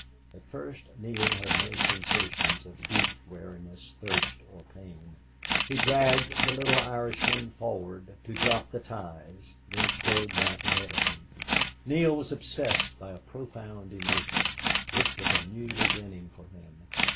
At first Neale had no sensations of heat, weariness, thirst, or pain. He dragged the little Irishman forward to drop the ties then strode back ahead of him. Neale was obsessed by a profound emotion. This was a new beginning for him.